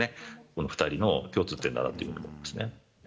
この２人の共通点だなというふうに思うんですね。